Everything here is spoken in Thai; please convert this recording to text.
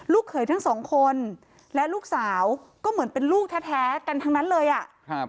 เขยทั้งสองคนและลูกสาวก็เหมือนเป็นลูกแท้กันทั้งนั้นเลยอ่ะครับ